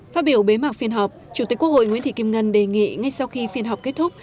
phát biểu bế mạc phiên họp chủ tịch quốc hội nguyễn thị kim ngân đề nghị ngay sau khi phiên họp kết thúc